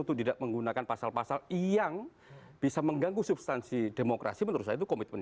untuk tidak menggunakan pasal pasal yang bisa mengganggu substansi demokrasi menurut saya itu komitmen